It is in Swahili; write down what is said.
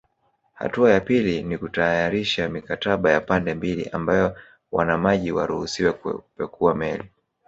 Hatua ya pili ni kutayarisha mikataba ya pande mbili ambayo wanamaji waruhusiwe kupekua meli